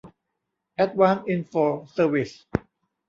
แอดวานซ์ อินโฟร์ เซอร์วิส